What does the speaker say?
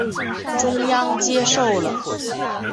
中央接受了。